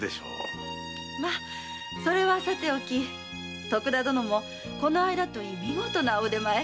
まそれはさておき徳田殿もこの間といい見事なお腕前。